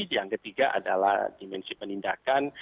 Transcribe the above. yang ketiga adalah dimensi penindakan